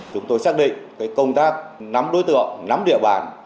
chúng tôi xác định công tác nắm đối tượng nắm địa bàn